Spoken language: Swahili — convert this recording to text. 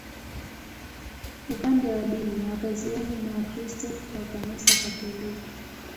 Upande wa dini, wakazi wengi ni Wakristo wa Kanisa Katoliki.